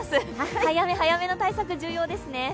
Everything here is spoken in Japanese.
早め早めの対策が大事ですね。